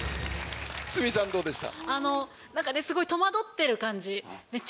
鷲見さんどうでした？